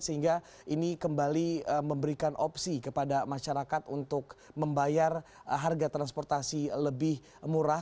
sehingga ini kembali memberikan opsi kepada masyarakat untuk membayar harga transportasi lebih murah